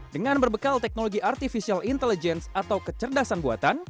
dengan berbekal teknologi artificial intelligence atau kecerdasan buatan